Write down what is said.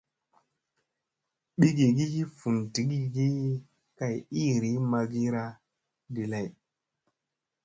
Bigigi vundigigi kay iiri magira ɗi lay.